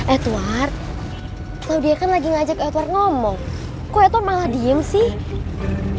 edward kalau dia kan lagi ngajak edward ngomong kok edwar malah diem sih